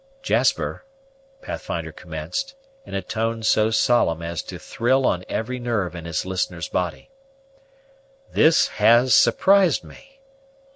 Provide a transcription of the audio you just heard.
"Jasper," Pathfinder commenced, in a tone so solemn as to thrill on every nerve in his listener's body, "this has surprised me!